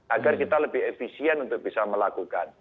agar kita lebih efisien untuk bisa melakukan